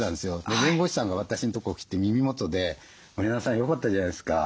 弁護士さんが私んとこ来て耳元で「森永さんよかったじゃないですか。